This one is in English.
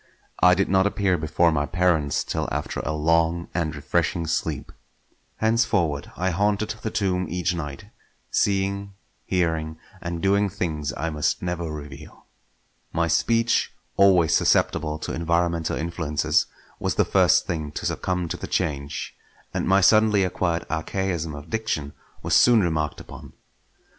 I did not appear before my parents till after a long and refreshing sleep. Henceforward I haunted the tomb each night; seeing, hearing, and doing things I must never reveal. My speech, always susceptible to environmental influences, was the first thing to succumb to the change; and my suddenly acquired archaism of diction was soon remarked upon.